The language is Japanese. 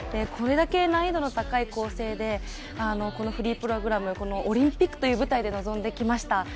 これだけ難易度の高い構成で、このフリープログラム、オリンピックという舞台で臨んできました。